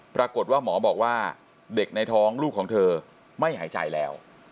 ปรากฏว่าหมอบอกว่าเด็กในท้องลูกของเธอไม่หายใจแล้ว